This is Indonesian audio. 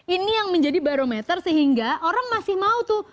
ini yang menjadi barometer sehingga orang masih mau tuh